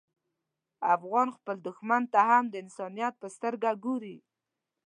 افغان خپل دښمن ته هم د انسانیت په سترګه ګوري.